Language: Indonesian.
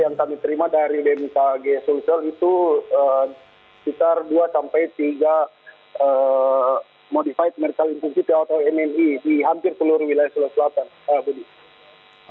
yang kami terima dari bmkg sulsel itu sekitar dua sampai tiga modified merkelingkung kita atau mmi di hampir seluruh wilayah sulawesi selatan budi